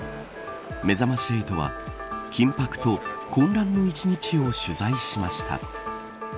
めざまし８は緊迫と混乱の一日を取材しました。